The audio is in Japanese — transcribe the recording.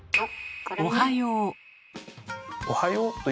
おはよう。